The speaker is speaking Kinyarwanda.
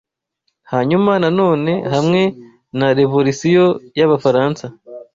hanyuma, na none, hamwe na Revolisiyo y'Abafaransa